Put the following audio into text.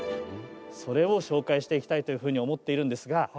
それを紹介していきたいというふうに思っているんですが